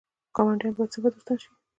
ګاونډیان باید څنګه دوستان شي؟